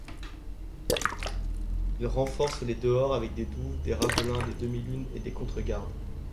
Il renforce les dehors avec des douves, des ravelins, des demi-lunes et des contregardes.